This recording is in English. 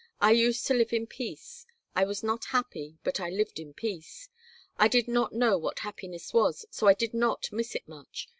I used to live in peace. I was not happy, but I lived in peace. I did not know what happiness was, so I did not miss it much.